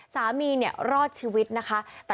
สามีเนี่ยรอดชีวิตนะคะ